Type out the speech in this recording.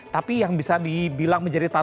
tapi yang bisa dibilang menjadi tantangan